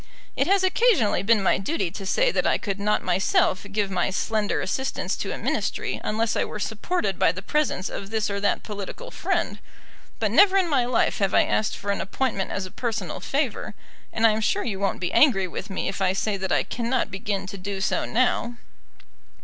It has occasionally been my duty to say that I could not myself give my slender assistance to a Ministry unless I were supported by the presence of this or that political friend. But never in my life have I asked for an appointment as a personal favour; and I am sure you won't be angry with me if I say that I cannot begin to do so now."